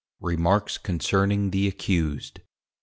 REMARKS CONCERNING THE ACCUSED.